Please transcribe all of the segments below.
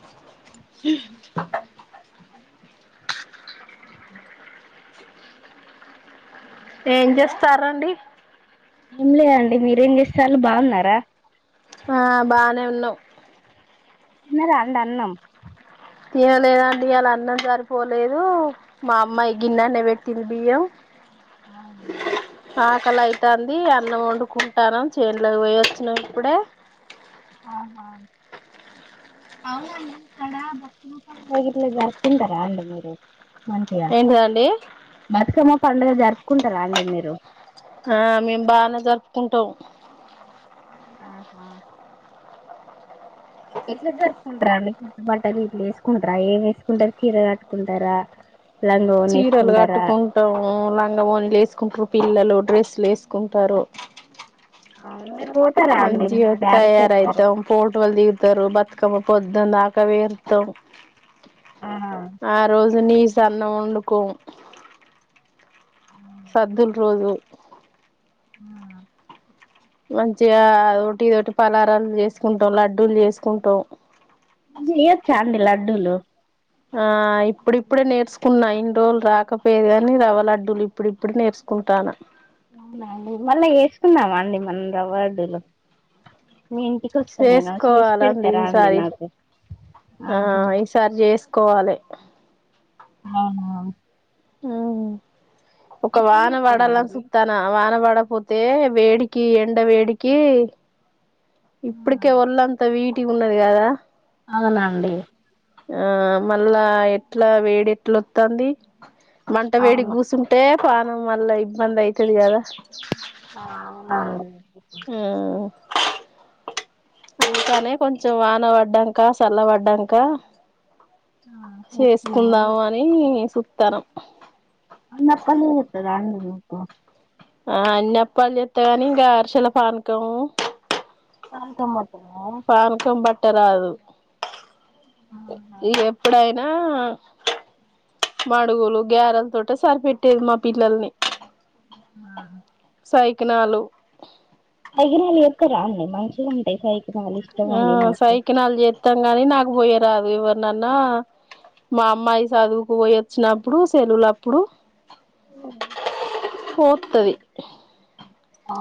[inaudible] ఏం చేస్తారండి ఏం లే అండి మీరేం చేసేతళ్లు బావున్నారా ఆ బానే ఉన్నాం తిన్నారా అండి అన్నం తినలేదండి ఈయాలన్నం సరిపోలేదు మా అమ్మాయి గిన్నెనే పెట్టింది బియ్యం అవునా ఆకలి అయితాంది అన్నం వండుకుంటానం చేన్లోకి పోయొచ్చినం ఇప్పుడే అవున అవునండి ఇక్కడ [unintelligible] జరుపుకుంటారా అండి మీరు మంచిగా ఏంటిదండి బతుకమ్మ పండుగ జరుపుకుంటారా అండి మీరు ఆ మేము బానే జరుపుకుంటాం ఆహా ఎట్లా జరుపుకుంటారండి కొత్తబట్లు ఇట్లేసుకుంటార ఏం వేసుకుంటారు చీర కట్టుకుంటారా లంగాఓని చీరలు వేసుకుంటారా కట్టుకుంటాము లంగ ఓన్లు వేసుకుంట్రూ పిల్లలు డ్రెస్లు ఏస్కుంటారు అవున్ మీరు పోతారా అండి మంచిగ మీరు డాన్స్ చేస్తారా తయారయితం ఫోటోలు దిగుతారు బతుకమ్ పొద్దున్ దాకా వేరుతం ఆ రోజు నీ సన్న ఒండుకో సద్దుల్ రోజు అవునా మంచిగాదోటి ఇదోటి పలారాలు చేసుకుంటాం లడ్డూలు చేసుకుంటాం చేయచ్చాండి లడ్డూలు ఆ ఇప్పుడిప్పుడే నేర్సుకున్నా ఇన్ని రోజులు రాకపోయేది కాని రవ్వ లడ్డులు ఇప్పుడు ఇప్పుడే నేర్స్ కుంటానా అవునా అండి మళ్ళా ఏసుకున్నామాండి మనం రవార్డులు మీ ఇంటికొస్తా నేను చేసి చేసుకోవాలండి పెడతారా అండి ఈసారి నాకు ఆ ఆహా ఈసారి చేస్కోవాలి [unintelligible] మ్మ్ ఒక ఎట్ల వానపడలాని చెత్తరాండి సుతానా వానవాడ పోతే వేడికి ఎండ వేడికి ఇప్పటికే ఒళ్ళంతా వీటికి ఉన్నది కదా అవునాండి ఆ మళ్ళా ఎట్లా వేడి ఎట్లొత్తాంది మంట వేడి అవును కూసుంటే పానం మళ్ళా ఇబ్బంది అయితదికదా ఆ అవునండి ఇంకనే కొంచెం వాన పడ్డాంక చల్ల పడ్డాంక ఆ, చేసుకున్నామని చేసుకుందాము అని సూత్తానం అన్నప్పలే [unintelligible] మీకు ఆ అన్నప్పాల్ చేత్తగాని ఇంకా అరిచల పానకము పానకం పానకం బట్ట రాదు ఇ ఎప్పుడైనా ఆ మాడుగులు గ్యారెల్ తోటే సరిపెట్టేది మా పిల్లల్ని ఆ కైకునాలు మంచిగుంటాయి కైకు ఆ సైకినాలు చేత్తాం గాని నాకు పోయే రాదు ఎవరినన్నా మా అమ్మాయి సదువుకుపోయొచ్చినప్పుడు సెలువులప్పుడు పోతది అ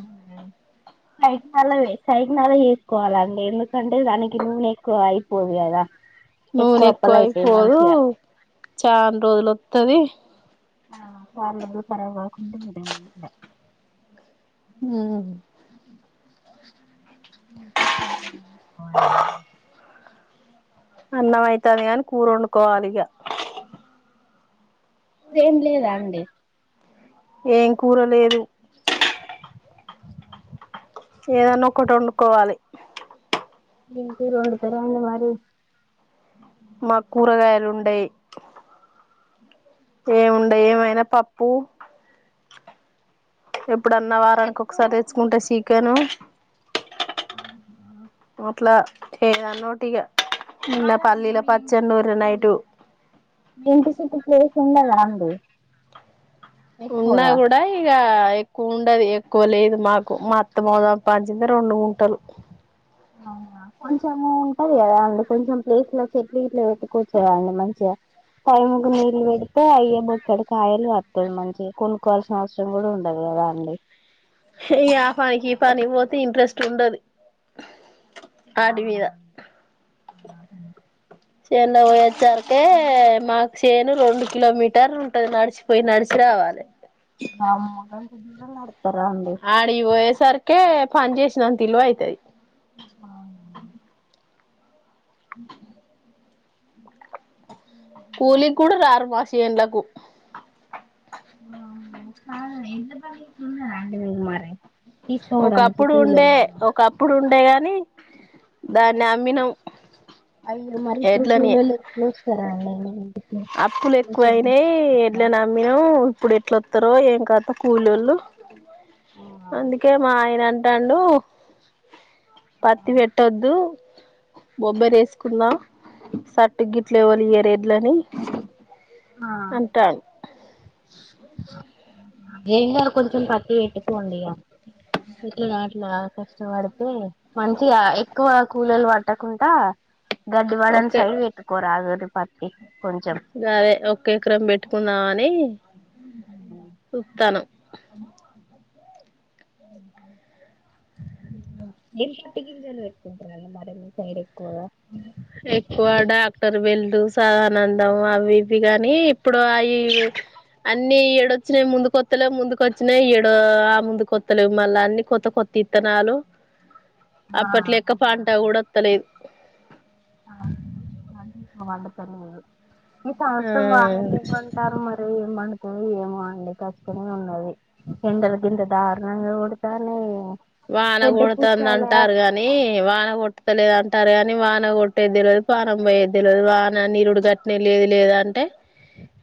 సైకినాల సైకినాలు చేసుకోవాలండి ఎందుకంటే దానికి నూనె ఎక్కువ అయిపోదు కదా నూనె ఎక్కువ అప్పలు అయితాయి అయిపోదు మంచిగా చాలా రోజులు వస్తుది ఆ కార్లులు పరవగా కుంట విదమ హమ్ హు హు టైం మీద చేసుకోవాలి అన్ని అన్నం అవుతుది కాగాని కూరు వండుకోవాలి ఈగ ఇప్పుడు ఏం లేదా అండి ఏం కూరలేదు ఏదన్నా ఒకటి వండుకోవాలి ఏమి కూర వండుతున్నావు మరి, మా కూరగాయలు ఉండవు ఏం ఉండవు ఏమైనా పప్పు ఎప్పుడన్న వారానికి ఒకసారి తెచ్చుకుంటే చికెన్ హా హా చేద నోటిగా కాదండి మీ ఇంటి చుట్టూ నైటు మీ ఇంటి చుట్టూ చిన్నద అంది ఉన్నా కూడా ఇగ ఎక్కువ ఉండదు ఎక్కువ లేదు మాకు మా అత్తం అదా పంచింది రెండు గుంటలు నా కొంచెము ఉంటది కదా అండి కొంచెం ప్లేస్ లో చెట్లు ఇట్లో పెట్టుకచేదండి మంచిగా టైం కి నీళ్ళలు పెడితే అయబచ్చాడు కాయలు కతాడు మంచిగా కొనుక్కోవాల్సిన అవసరం కూడా ఉండదు కదా అండి ఆ పనికి ఈ పని పోతే ఇంట్రెస్ట్ ఉండదు ఆ హు హు సేన్న ఉచ్చారుకే మాకు సేను రెం కిలోమీటర్లు ఉంటది నడిచిపోయి నడిచి రావాలి వామ్మో గంట దూరం నడుస్తారా అండి కే పని చేసినంత విలువ అయితది అవునా [unintelligible] కూలీకి కూడా రారు మా చేనులకు ఓహ్ అవునా కదా ఎడ్ల బండి గిట్ల ఉందా అంటవకు మారే ఒకప్పుడు ఉండే ఒకప్పుడు ఉండేగాని కానీ దాన్ని అమ్మిన అయ్యో మరి ఇప్పుడు కూలళ్ళ ఎట్లు వస్తారండి మీ ఇంటికి అప్పులు ఎక్కువ సేమ్ అయినాయి ఇట్లా ఎడ్లే న అమ్మిన ఇప్పుడు ఎట్లా వస్తారో ఏం కథ కూలీళ్ళు అందుకే మా ఆయన అంటే నన్ను పత్తి పెట్టద్దు. బొబ్బర వేసుకున్నా సట్టు గిట్ల ఎవ్వరివ్వరు ఎడ్లని. ఆ అంటాను. ఏమీ కాదు కోంచం పత్తి పెట్టుకోండి ఇగా. ఇట్లానొ అట్లానో కష్టపడితే మంచిగా ఎక్కువ కూలలు పట్టకుండా. కొంచెం వాడానికి ఓకే సైడ్పెట్టుకోరదండి పత్తి కొంచెం. గదే ఒక్క ఎకరం పెట్టుకుందామని. చూతానం. ఏం పత్తి గింజలు పెట్టుకుంటారండి మీ సైడు. ఎక్కువ డాక్టర్ వెళ్ళు సా. నందం అవి ఇవి గాని ఇప్పుడు అయి. అన్ని ఏడొచ్చినయి ముందు కొత్తలేవు ముందుకు వచ్చినాయి ఏడ ఆ ముందు కొత్తలేవు మళ్ళా అన్ని కొత్త కొత్త. విత్తనాలు. ఆ అప్పట్లెక్క పంట కూడా వత్తలేదు. ఆహ్ వాళ్ల తెరవదు. ఎక్కువ ఈ ఆ సంవత్సరం వాన లేవటారు మరి ఏం పండు. ఏమో అండి కష్టమే ఉండది ఎండలుకిింత దారుణంగా కొడతా ఉన్నాయ్. వానగోడుతుంది అంటారు గాని వాన కొట్. లేదంటారు కాని వాన కొట్టేద్దితేల్వదు పాణం పోయ్యెద్దితేల్వదు వాన నీరుడు గట్నే లేదు లేదు అంటే.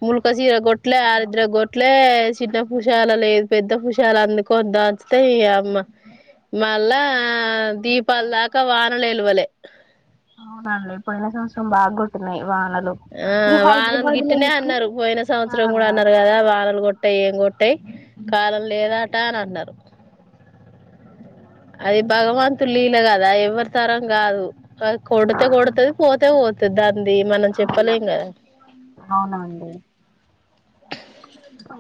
ముల్క సీర గోట్లే ఆరుద్ర గొట్లే సీన్న. హుషాల లేదు పెద్ద హుషాలు అందుకోద్దంచితే యా అమ్మ మళ్ళా. ఆహ్ దీపాలుదాకా వానలే ఎలువలే. అహ్ మళ్ళీ పోయిన సంవత్సరం బాగా కొడుతున్నాయి. ఆహ్ వానలు గిట్టినే గిట్ల అన్నారు పోయిన ఆ సంవత్సరం కూడా అన్నారు కదా వానలు కొట్టు. కొట్టాయి ఏం కొట్టాయి కాలం లేదాట అని అన్నారు. అది భగవంతుని లీల కదా ఎవరి తరం కాదు. ఆ కొడుతే కొడుతది పోతేపోతది. ఉంది మనం అవునా చెప్పలేం కదా. ప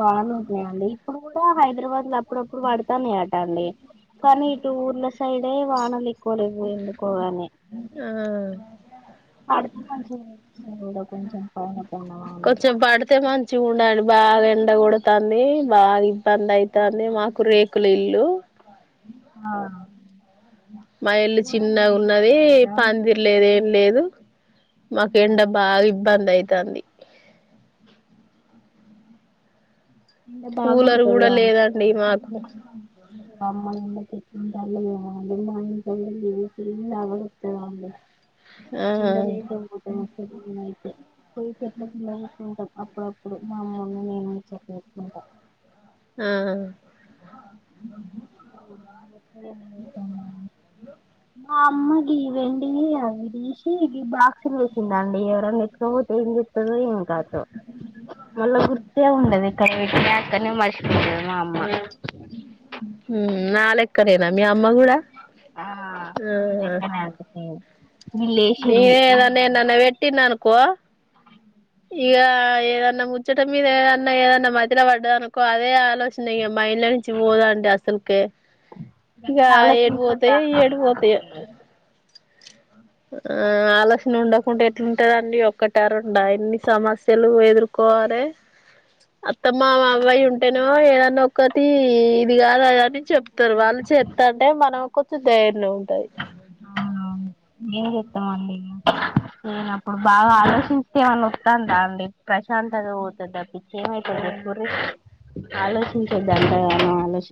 బాగానే ఉన్నాయి అండి ఇప్పుడు కూడా హైదరాబాద్ లో అప్పుడప్పుడు పడతానేట. పడ్డాయి కనీ ఇటు ఊర్ల సైడే వానలే. కూలి పోందు పోవనే ఆ పడుతనే మంచి. ఉండదు కొంచం పనే. కొంచెం పడితే మంచి ఉండాలి బాగా ఎండ కొడతుంది బాగా. పంద అయితంది మాకు రేకుల ఇల్లు. ఆహ్. మా ఇల్లు చిన్నగున్నది కదా పాందిర్ లేదు ఏం లేదు. మాకు ఆ, ఎండా బాగా ఇబ్బంది అయితంది. ఎండ బాగా కూలర్ కొడతది కూడా కదా లేదండి మాకు. మా అమ్మోళ్ళీంట్లో ఉంది. దాంట్లో [unintelligible] లేవనిస్తది అండి ఆ ఉండలేకపోతున్నాను అసలు నేనైతే. పోయి చెట్ల కింద కూర్చుంటాం అప్పుడప్పుడు మా అమ్మ నేను పోసుతూ ఉంటా. ఆహ్. ఆహ్. మా అమ్మగి వెండిని అవి తీసి ఇ బాక్స్లు వేసిందండి ఎవరన్నా ఎత్తుకపోతే ఎంచే చెత్తదో ఏంకాతో మళ్ళా గుర్తె ఉండది ఎక్కడ పెట్టినై అక్కన్నే మర్చిపోతది మా అమ్మ మ్ నాలేక్కనేనా మీ అమ్మ కూడా అ మీలెక్కనే అండి నినేే వీళ్ళేసింది ఏదన్న ఎన్నన్న పెట్టిన్ననుకో ఇగ ఏదన్నా ముచ్చట మీద ఏదన్నా ఏదన్నా మతిలో పడ్డాదనుకో అదే ఆలోచన ఇగ మైడ్ల్ నుంచి పోదాంటడి అసల్కే ఇగ ఏట్ పోతయో ఆలోచించొద్దండి ఏట్ పోతయో ఊకే ఆ ఆలోచన ఉండకుంటే ఎట్లుంటదండి ఒక్కటా రెండా ఎన్ని సమస్యలు ఎదుర్కో వలే అత్తమ్మ అవ్వయుంటేనో ఏదన్నా ఒక్కటి ఇది కాదు అదని చెప్ త్తరు వాళ్ళు చెతంటే మనం కొంచెం దైర్ణం అవునువును ఎం చెతం అన్ని ఇగ లేనప్ మ బాగా ఆలోచిస్తే ఎమనోతందా అండి ప్రశాంతత పోతది తప్పి ఏమైతది చెప్పుర్రి ఆలోచించొద్దు అంత గనం ఆలోచించ్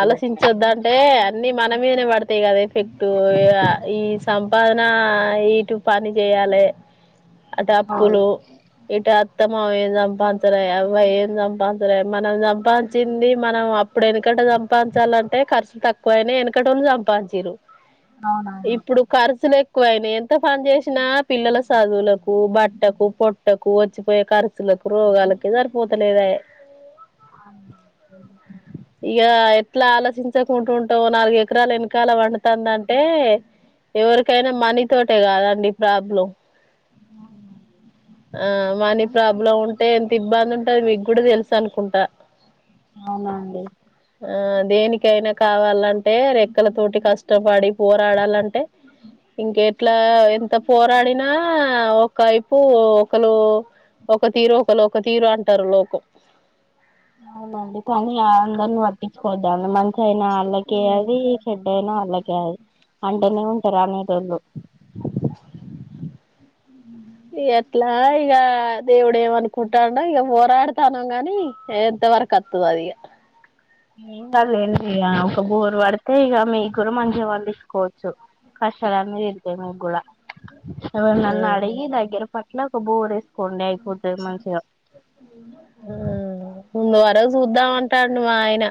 ఆలోచించొద్దంటే అన్నిీ మన మీదనే పడ్ తై కదా ఎఫెక్ట్ ఈ సంపాదన ఇటు పని చేయాలే అటు అవును అప్పులు ఇట్ అత్తమమ ఏం సంపాించలే అవ్వ ఏం సంపాించలే మనం సంపాించింది మనం అప్పుడే ఎనుకట సంపాదించాలంటే ఖర్చు తక్కువైనాయి ఎనుకటోళ్ళు సం పాదించిల్లు అవునవును ఇప్పుడు ఖర్చులే ఎక్కువైనాయ్ ఎంత పని చేసినా పిల్లల చదువులకు బట్టకు పొట్టకు వచ్చిపోయే ఖర్చుల కు రోగాలకే సరిపోతాలేదాయె అ ఇగ ఎట్లా ఆలోచించకుంటుంటావ్ నాలుగు ఎకరలు వెనకాల పండు తందంటే ఎవరికైనా మనీ తోటే కాదండి ప్రాబ్లం అవును ఆ మనీ ప్రాబ్లం ఉంటే ఎంత ఇబ్బంది ఉంటది మీకు కూడా తెలుసనుకుంటా అవునండి ఆ దేనికైనా కావాలంటే రెక్కలతోటి కష్టపడి పోరాడాలంటే ఇంకెట్లా ఎంత పోరాడినా ఒకైపు ఒకరు ఒక తీరోకలు ఒక తీరో అంటారు లోకం అవునండి కని అ అందర్నీ ప ట్టిచ్చుకోద్దండి మంచి అయినా వాళ్ళకే అది చెడైనా వాళ్ళకే అది అంటనే ఉంటారుా అనేటోళ్ళు ఎట్లా ఇగ దేవుడు ఏమనుకుంటాండో ఇగ పోరాడుతానం గాని ఎంతవర కత్తదో అది ఇగ [inaudible] ఏం కాదు లేండి ఇగ ఒక బోరు పడితే ఇగ మీక్కూడా మంచిగా పండిచ్చుకోవచ్చు కష్టలన్ని తిరుతాయి మీక్కూడా ఆ ఎవరినన్నా అడిగి దగ్గర పట్ల ఒక బోర్ ఎస్ కొండై పోతది మంచిగ ఆ ముందు వరకు చూద్దామంటాడు మా ఆయన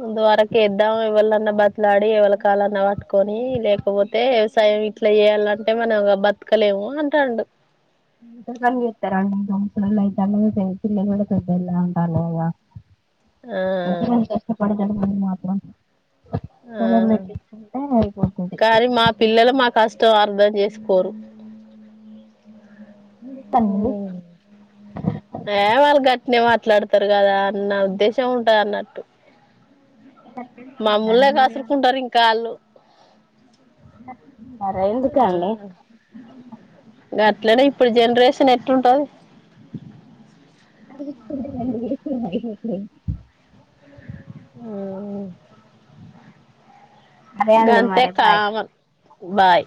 ముందు వరకు ఇద్దాం ఎవలన్నా బదలాడి ఎవళ కాలన్నా పట్టుకొని లేకపోతే వ్యవసాయం ఇట్లా చేయాలంటే మనం బతకలేము అంటాండు ఇ బందతార మీరు ఇడతే పిల్ కూడా పెద్ద ఎ ఉంటాలద ఆ ఎ కష్టపదినత మాత్రం ఆ పొలం పెట్టించుకుంటే అయిపోతది కానీ మా పిల్లలు మా కాస్ తో అర్థం చేసుకోరు ఇ పన్ను ఏ వాళ్ళు గట్టినే మాట్లాడతారు కదా అన్న ఉద్దేశం ఉంటంది అన్నట్టు మాముూలే కాసురుకుంటారు ఇంకా వాళ్ళు అలా ఎందుకు అండి అట్లనే ఇప్పుడు జెనరేషన్ ఎట్ంటది అది [unintelligible] సరే అండి గంతే మరి బాయ్ కావన్ బాయ్